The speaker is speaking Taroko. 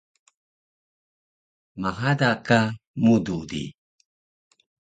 mhada ka mudu di